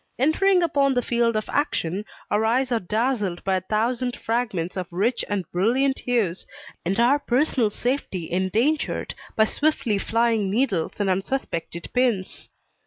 Entering upon the field of action, our eyes are dazzled by a thousand fragments of rich and brilliant hues, and our personal safety endangered by swiftly flying needles and unsuspected pins.